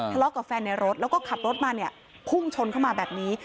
ทะเลาะกับแฟนในรถแล้วก็ขับรถมาเนี่ยพุ่งชนเข้ามาแบบนี้